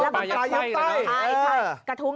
อ๋อปลายัดไส้